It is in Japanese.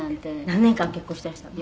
「何年間結婚していらしたの？」